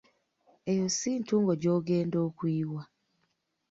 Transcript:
Eyo si ntungo gy'ogenda okuyiwa?